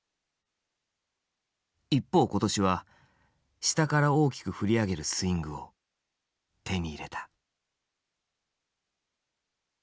一方今年は下から大きく振り上げるスイングを手に入れた。